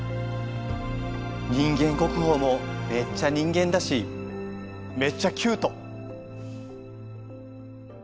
人間国宝もめっちゃ人間だしめっちゃキュート。